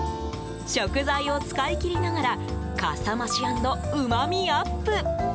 食材を使い切りながらかさ増し＆うまみアップ。